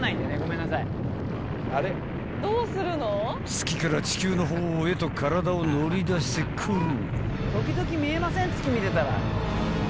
［月から地球の方へと体を乗り出してくる］